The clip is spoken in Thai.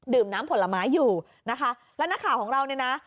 น้ำผลไม้อยู่นะคะแล้วนักข่าวของเราเนี่ยนะ